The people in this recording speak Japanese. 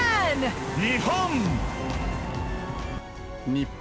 日本。